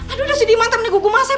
aduh si dima temennya gugumah saya